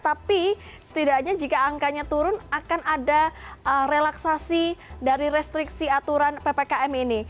tapi setidaknya jika angkanya turun akan ada relaksasi dari restriksi aturan ppkm ini